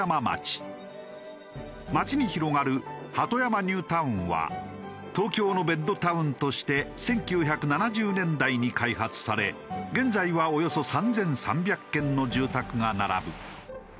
町に広がる鳩山ニュータウンは東京のベッドタウンとして１９７０年代に開発され現在はおよそ３３００軒の住宅が並ぶ。